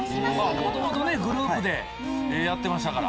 元々グループでやってましたから。